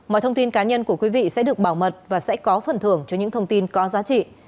mọi thông tin cá nhân của quý vị sẽ được bảo mật và sẽ có phần thưởng cho những thông tin có giá trị